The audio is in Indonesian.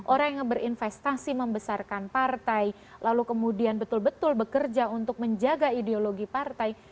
orang yang berinvestasi membesarkan partai lalu kemudian betul betul bekerja untuk menjaga ideologi partai